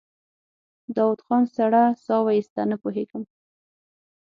داوود خان سړه سا وايسته: نه پوهېږم.